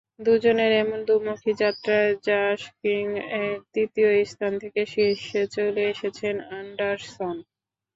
দুজনের এমন দুমুখী যাত্রায় র্যাঙ্কিংয়ের তৃতীয় স্থান থেকে শীর্ষে চলে এসেছেন অ্যান্ডারসন।